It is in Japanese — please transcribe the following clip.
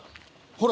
ほら。